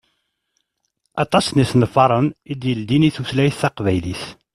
Aṭas n isenfaṛen i d-yeldin i tutlayt taqbaylit.